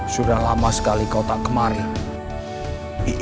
sudah lama sekali kau tak kemari